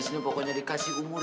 seni nya tak hero ke oftentimes